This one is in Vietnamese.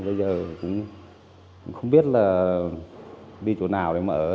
bây giờ cũng không biết là đi chỗ nào để mà ở